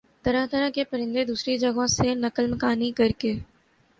طرح طرح کے پرندے دوسری جگہوں سے نقل مکانی کرکے